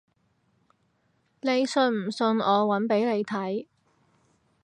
你唔信我搵俾你睇